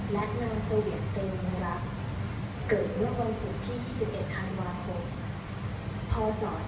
และนางเศรษฐ์เตรียมรักเกิดเมื่อวันสุดที่๒๑ธันวาคม